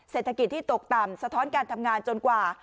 เศรษฐกิจที่ตกต่ำสะท้อนการทำงานจนกว่า